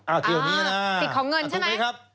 อ้าวสิทธิ์ของเงินใช่ไหม